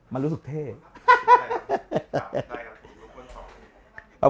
มันรู้สึกทุกวัน